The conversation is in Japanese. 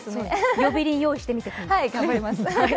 呼び鈴、用意してみてください。